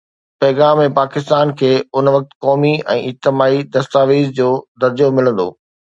پيغام پاڪستان کي ان وقت قومي ۽ اجتماعي دستاويز جو درجو ملندو.